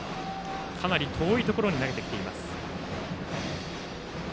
かなり遠いところに投げてきています。